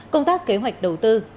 công tác kế hoạch đầu tư